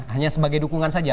hanya sebagai dukungan saja